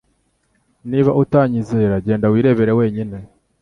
Niba utanyizera genda wirebere wenyine